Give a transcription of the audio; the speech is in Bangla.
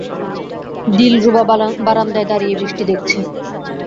দিলরুবা বারান্দায় দাঁড়িয়ে বৃষ্টি দেখছে।